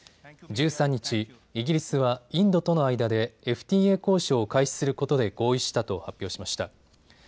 １３日、イギリスはインドとの間でＦＴＡ交渉を開始することで合意したと発表しました。